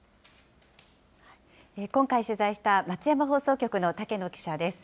今回取材した、松山放送局の竹野記者です。